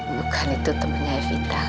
bukan itu temannya evita